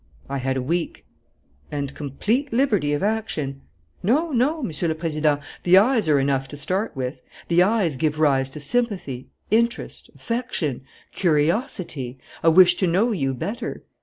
"I had a week." "And complete liberty of action." "No, no, Monsieur le Président. The eyes are enough to start with. The eyes give rise to sympathy, interest, affection, curiosity, a wish to know you better.